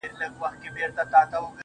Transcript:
گنې زما کافر زړه چيري يادول گلونه,